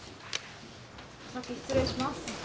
お先失礼します。